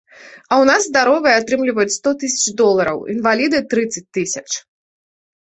А ў нас здаровыя атрымліваюць сто тысяч долараў, інваліды трыццаць тысяч.